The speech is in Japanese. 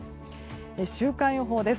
週間予報です。